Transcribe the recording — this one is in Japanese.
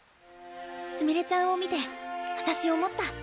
すみれちゃんを見て私思った。